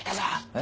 え？